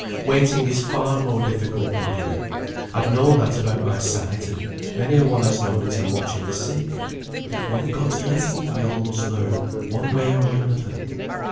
Waiting is far more difficult than doing. I've known that about my sight, and many a one has known it in watching the sick; but it's one of God's lessons we all must learn, one way or another."